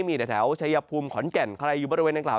มีแต่แถวเฉยภูมิขอนแก่นคลายอยู่บริเวณด้านกล่าว